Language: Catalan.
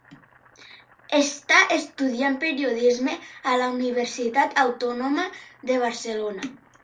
Està estudiant Periodisme a la Universitat Autònoma de Barcelona.